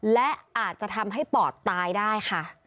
และอาจจะทำให้ปอดตายได้ค่ะ